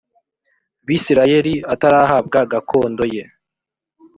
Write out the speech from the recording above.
bisirayeli atarahabwa gakondo ye